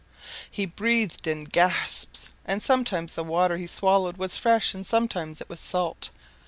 He breathed in gasps; and sometimes the water he swallowed was fresh and sometimes it was salt.